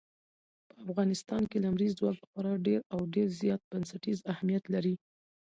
په افغانستان کې لمریز ځواک خورا ډېر او ډېر زیات بنسټیز اهمیت لري.